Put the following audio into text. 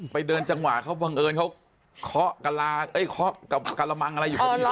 ไปเดินจังหวะเขาบังเอิญเขาเคาะกะลาเอ้ยเคาะกะละมังอะไรอยู่ข้างนี้